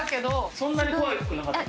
そんなに怖くなかった？